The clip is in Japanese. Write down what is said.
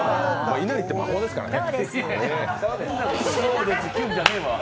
いなりって魔法ですからね。